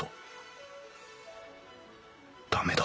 駄目だ。